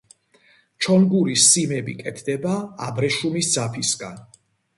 ჩონგურის სიმები კეთდება აბრეშუმის ძაფისგან.